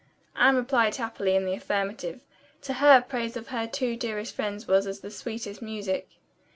Anne replied happily in the affirmative. To her praise of her two dearest friends was as the sweetest music.